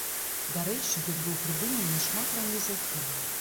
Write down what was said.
Дарэчы, ён быў прыдуманы нашмат раней за фільм.